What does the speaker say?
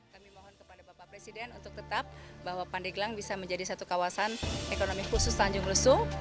kami mohon kepada bapak presiden untuk tetap bahwa pandeglang bisa menjadi satu kawasan ekonomi khusus tanjung lesung